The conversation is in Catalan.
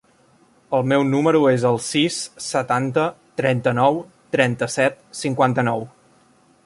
El meu número es el sis, setanta, trenta-nou, trenta-set, cinquanta-nou.